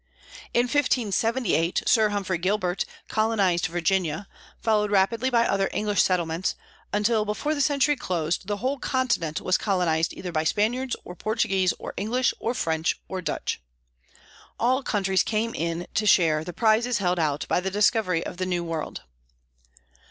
In 1578 Sir Humphrey Gilbert colonized Virginia, followed rapidly by other English settlements, until before the century closed the whole continent was colonized either by Spaniards, or Portuguese, or English, or French, or Dutch. All countries came in to share the prizes held out by the discovery of the New World.